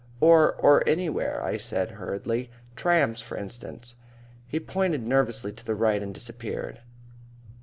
"Or or anywhere," I said hurriedly. "Trams, for instance." He pointed nervously to the right and disappeared.